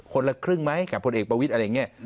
คนละครึ่งไหมกับพลเอกประวิทย์อะไรอย่างนี้